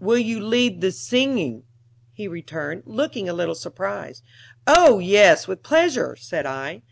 "Will you lead the singing?" he returned, looking a little surprised. "Oh yes, with pleasure," said I.